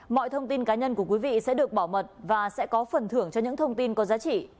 mọi thông tin cá nhân của quý vị sẽ được bảo mật và sẽ có phần thưởng cho những thông tin có giá trị